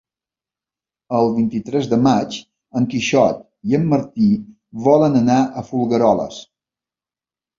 El vint-i-tres de maig en Quixot i en Martí volen anar a Folgueroles.